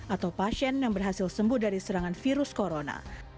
atau pasien yang berhasil sembuh dari serangan virus corona